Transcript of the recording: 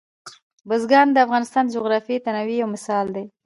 بزګان د افغانستان د جغرافیوي تنوع یو مثال دی.